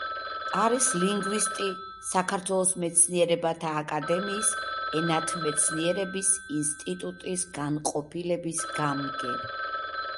არის ლინგვისტი, საქართველოს მეცნიერებათა აკადემიის ენათმეცნიერების ინსტიტუტის განყოფილების გამგე.